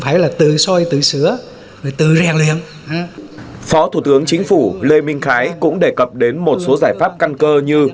phó thủ tướng chính phủ lê minh khái cũng đề cập đến một số giải pháp căn cơ như